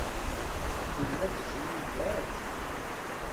Tella tcennu d leɛǧeb.